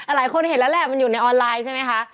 หลายคนเห็นแล้วแหละมันอยู่ในออนไลน์ใช่ไหมคะ